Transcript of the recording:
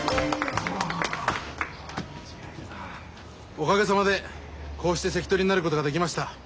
おかげさまでこうして関取になることができました。